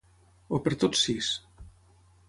O per tots sis?